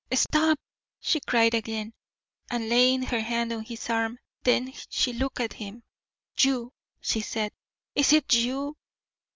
"Stop!" she cried again, and laying her hand on his arm; then she looked at him. "You!" she said "is it you?"